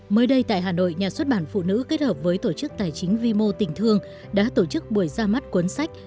mới đây tại hà nội nhà xuất bản phụ nữ kết hợp với tổ chức tài chính vi mô tình thương đã tổ chức buổi ra mắt cuốn sách